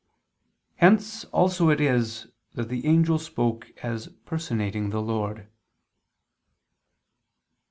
Hence also it is that the angel spoke as personating the Lord.